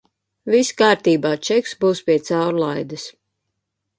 Viss kārtībā, čeks būs pie caurlaides.